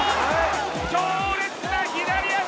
強烈な左足！